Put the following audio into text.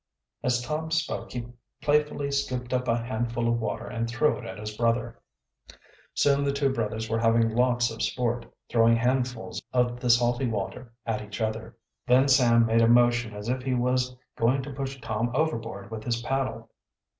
As Tom spoke he playfully scooped up a handful of water and threw it at his brother. Soon the two boys were having lots of sport, throwing handfuls of the salty water at each other. Then Sam made a motion as if he was going to push Tom overboard with his paddle.